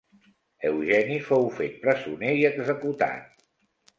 Eugeni fou fet presoner i executat.